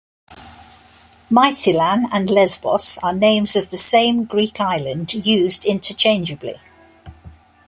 Mytilene and Lesbos are names of the same Greek island used interchangeably.